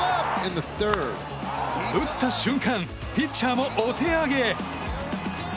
打った瞬間ピッチャーもお手上げ！